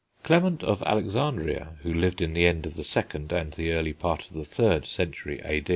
Clement of Alexandria who lived in the end of the 2nd, and the early part of the 3rd, century A.